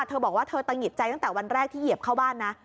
เธอบอกว่าเธอตะหิดใจตั้งแต่วันแรกที่เหยียบเข้าบ้านนะ